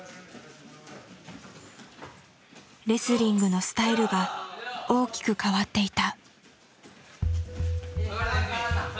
レスリングのスタイルが大きく変わっていた。